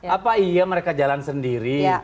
apa iya mereka jalan sendiri